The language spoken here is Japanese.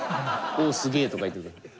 「おぉすげえ」とか言ってるけど。